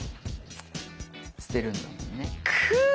捨てるんだもんね。